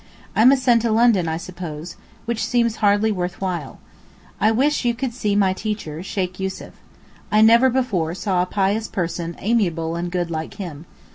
I must send to London, I suppose, which seems hardly worth while. I wish you could see my teacher, Sheykh Yussuf. I never before saw a pious person amiable and good like him.